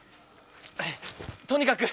とにかく！